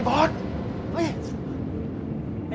บอร์ดบอร์ด